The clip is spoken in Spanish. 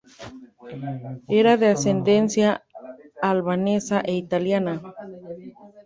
Era de ascendencia albanesa e italiana.